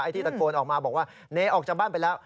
ที่ตะโกนออกมาบอกว่าเนออกจากบ้านไปแล้ว